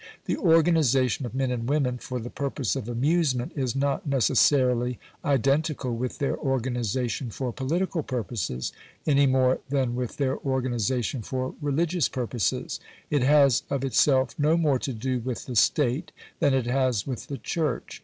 The organisation of men and women for the purpose of amusement is not necessarily identical with their organisation for political purposes, any more than with their organisation for religious purposes; it has of itself no more to do with the State than it has with the Church.